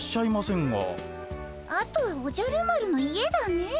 あとはおじゃる丸の家だね。